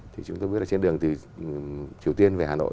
thì chúng tôi biết là trên đường từ triều tiên về hà nội